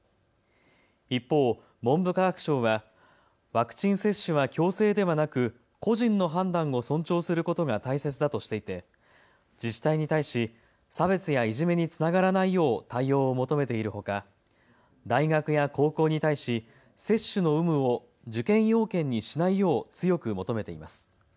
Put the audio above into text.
一方、文部科学省はワクチン接種は強制ではなく、個人の判断を尊重することが大切だとしていて自治体に対し差別やいじめにつながらないよう対応を求めているほか、大学や高校に対し、接種の有無を受験要件にしないよう強く求めています。